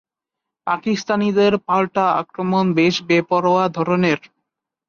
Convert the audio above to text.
পাকিস্তানিদের পাল্টা আক্রমণ বেশ বেপরোয়া ধরনের।